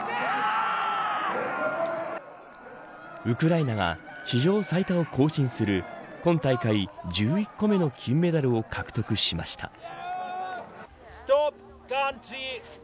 ウクライナが史上最多を更新する今大会１１個目の金メダルを獲得しました。